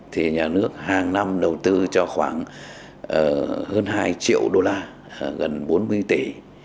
thì nhà nước hàng năm đầu tư cho khoảng hơn hai triệu đô la gần bốn mươi tỷ